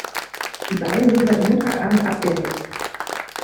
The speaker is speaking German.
Die beiden sind seit Montag Abend abgängig.